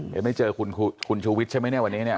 เดี๋ยวไม่เจอคุณชูวิทย์ใช่ไหมวันนี้